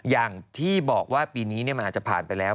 อย่างที่บอกว่าปีนี้มันอาจจะผ่านไปแล้ว